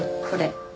これ。